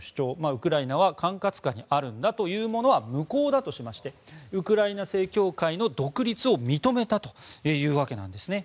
ウクライナは管轄下にあるんだというものは無効だとしましてウクライナ正教会の独立を認めたというわけです。